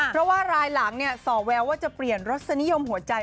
เพราะว่ารายหลังส่อแววว่าจะเปลี่ยนรสนิยมหัวใจ